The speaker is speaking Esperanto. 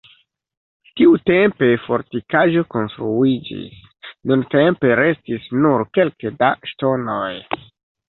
Tiutempe fortikaĵo konstruiĝis, nuntempe restis nur kelke da ŝtonoj.